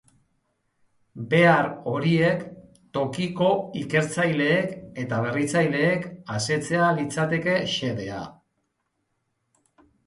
Behar horiek tokiko ikertzaileek eta berritzaileek asetzea litzateke xedea.